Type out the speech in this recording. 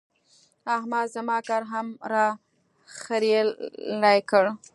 احمد زما کار هم را خرېړی کړ.